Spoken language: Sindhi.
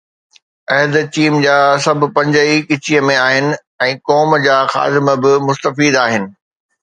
احد چيم جا سڀ پنج ئي ڳچيءَ ۾ آهن ۽ قوم جا خادم به مستفيد آهن.